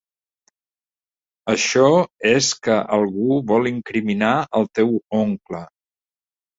Això és que algú vol incriminar el teu oncle.